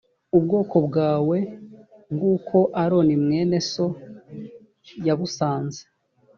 ubwoko bwawe nk uko aroni mwene so yabusanze